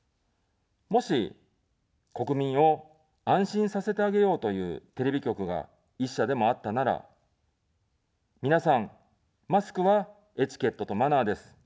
もし、国民を安心させてあげようというテレビ局が１社でもあったなら、皆さん、マスクはエチケットとマナーです。